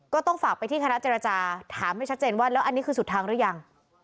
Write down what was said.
ก็ต้องฝากไปที่คณะเจรจาถามให้ชัดเจนว่าแล้วอันนี้คือสุดทางหรือยัง